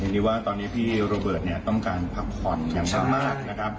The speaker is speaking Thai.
อย่างนี้ว่าตอนนี้พี่โรเบิร์ตเนี่ยต้องการพักผ่อนอย่างพร้อมมากนะครับ